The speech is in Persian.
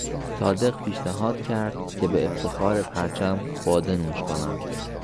صادق پیشنهاد کرد که به افتخار پرچم بادهنوش کنند.